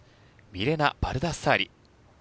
ミレナ・バルダッサーリ。